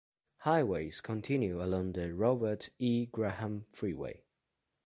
Highways continue along the Robert E. Graham Freeway.